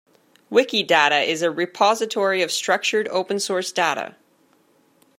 Wikidata is a repository of structured open source data.